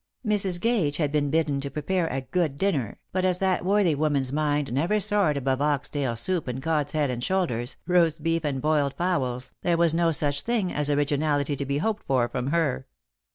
Mrs. Gage had been bidden to prepare a good dinner, but as that worthy woman's mind never soared above oxtail soup and cod's head and shoulders, roast beef and boiled fowls, there was no such thing as origi nality to be hoped for from her.